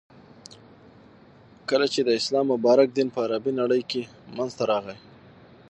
،کله چی د اسلام مبارک دین په عربی نړی کی منځته راغی.